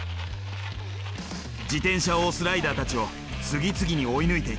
自転車を押すライダーたちを次々に追い抜いていく。